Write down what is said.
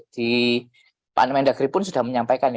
di panemendagri pun sudah menyampaikan